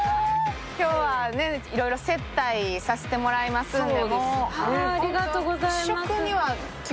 今日は、いろいろ接待させてもらいますんで。